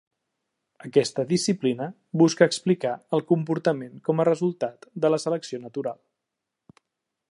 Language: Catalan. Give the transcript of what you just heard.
Aquesta disciplina busca explicar el comportament com a resultat de la selecció natural.